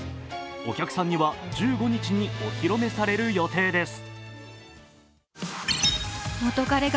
お客さんには１５日にお披露目される予定です。